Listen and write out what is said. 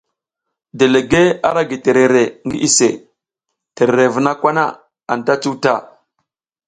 Delegue ara gi terere ngi iʼse, terere vuna kwa na anta cuta.